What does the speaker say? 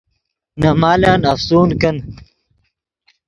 نے مالن افسون کن